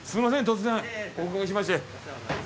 突然お伺いしまして。